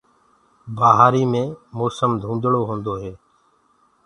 بهآري مي موسم ڌُندݪو هوندو هي۔